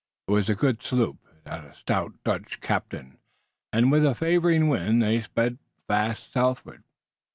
It was a good sloop, it had a stout Dutch captain, and with a favoring wind they sped fast southward.